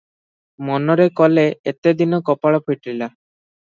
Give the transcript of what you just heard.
ମନରେ କଲେ, ଏତେ ଦିନେ କପାଳ ଫିଟିଲା ।